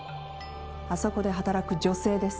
あそこで働く女性です。